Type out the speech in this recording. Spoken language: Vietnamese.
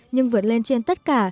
nhưng vượt lên trên tất cả